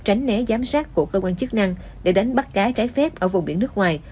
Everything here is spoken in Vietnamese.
tránh né giám sát của cơ quan chức năng để đánh bắt cá trái phép ở vùng biển nước ngoài